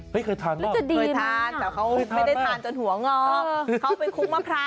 เคยทานป่ะเคยทานแต่เขาไม่ได้ทานจนหัวงอกเขาไปคุกมะพร้าว